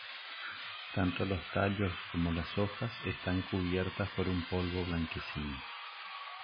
Tanto los tallos como las hojas están cubiertas por un polvo blanquecino.